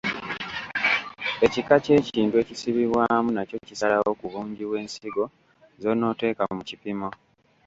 Ekika ky’ekintu ekisibibwamu nakyo kisalawo ku bungi bw’ensigo z’onoteeka mu kipimo.